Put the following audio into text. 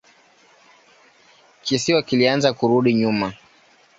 Kisiwa kilianza kurudi nyuma.